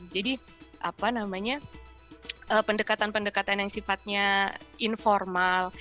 jadi pendekatan pendekatan yang sifatnya informal